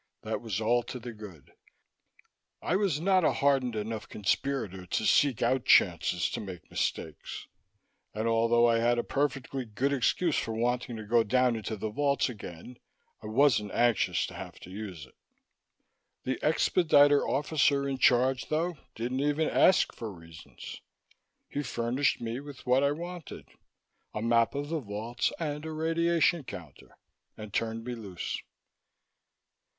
That was all to the good. I was not a hardened enough conspirator to seek out chances to make mistakes, and although I had a perfectly good excuse for wanting to go down into the vaults again, I wasn't anxious to have to use it. The expediter officer in charge, though, didn't even ask for reasons. He furnished me with what I wanted a map of the vaults and a radiation counter and turned me loose.